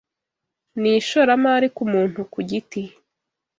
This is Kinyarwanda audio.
Ni ishoramari ku muntu ku giti